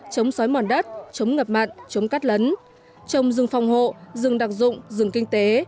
chống sói mòn đất chống ngập mặn chống cắt lấn trồng rừng phòng hộ rừng đặc dụng rừng kinh tế